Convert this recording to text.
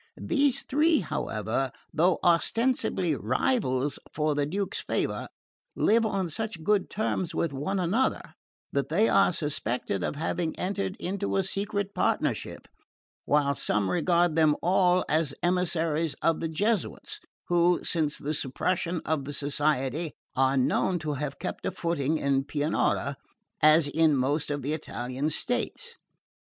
These three, however, though ostensibly rivals for the Duke's favour, live on such good terms with one another that they are suspected of having entered into a secret partnership; while some regard them all as the emissaries of the Jesuits, who, since the suppression of the Society, are known to have kept a footing in Pianura, as in most of the Italian states.